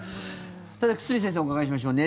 さて、久住先生お伺いしましょう。